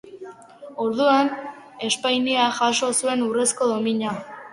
Orduan Espainiak jaso zuen urrezko domina.